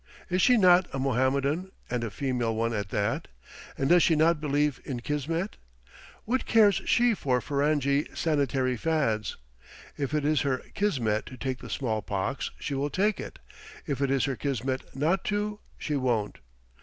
is she not a Mohammedan, and a female one at that? and does she not believe in kismet. What cares she for Ferenghi "sanitary fads?" if it is her kismet to take the small pox, she will take it; if it is her kismet not to, she won't.